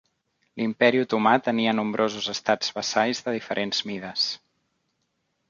L'imperi Otomà tenia nombrosos estats vassalls de diferents mides.